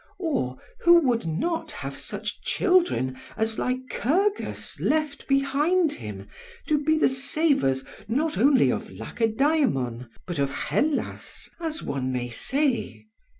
Or who would not have such children as Lycurgus left behind him to be the saviours not only of Lacedaemon, but of Hellas, as one may say?